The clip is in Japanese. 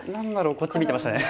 こっち見てましたね。